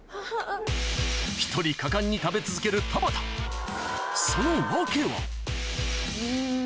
１人果敢に食べ続ける田畑その訳はん。